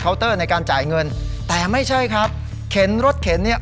เตอร์ในการจ่ายเงินแต่ไม่ใช่ครับเข็นรถเข็นเนี่ย